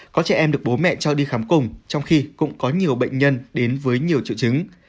có trẻ em được bố mẹ cho đi khám cùng trong khi cũng có nhiều bệnh nhân đến với nhiều triệu chứng